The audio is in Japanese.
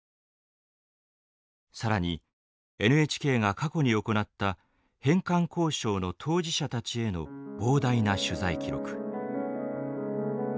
更にＮＨＫが過去に行った返還交渉の当事者たちへの膨大な取材記録。